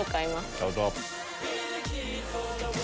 どうぞ。